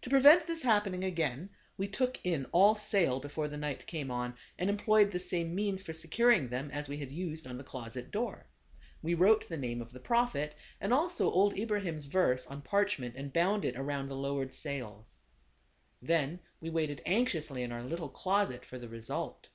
To prevent this happening again, we took in all sail before the night came on, and employed the same means for securing them as we had used on the closet door. We wrote the name of the Prophet, and also old Ibrahim's verse, on parchment, and bound it around the THE CAB AVAN. 119 lowered sails. Then we waited anxiously in our little closet for the result.